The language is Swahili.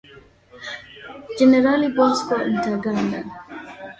Generali Bosco Ntaganda